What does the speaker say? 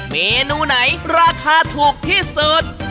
เมนูไหนราคาถูกที่สุด